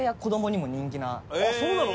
そうなの？